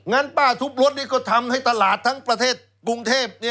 งั้นป้าทุบรถนี่ก็ทำให้ตลาดทั้งประเทศกรุงเทพ